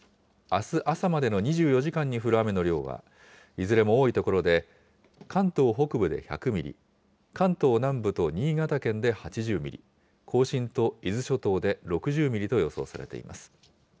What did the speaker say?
あす朝までの２４時間に降る雨の量は、いずれも多い所で、関東北部で１００ミリ、関東南部と新潟県で８０ミリ、甲信と伊豆諸島で６０ミリと予想されています。